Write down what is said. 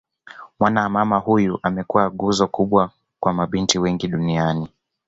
Mwana mama huyu amekuwa nguzo kubwa kwa mabinti wengi duniani